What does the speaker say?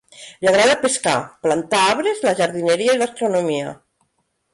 Li agrada pescar, plantar arbres, la jardineria i l'astronomia.